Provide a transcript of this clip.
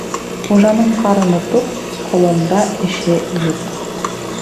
Хужаның ҡарыны туҡ, колонда эше юҡ.